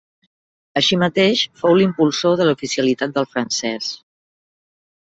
Així mateix fou l'impulsor de l'oficialitat del francès.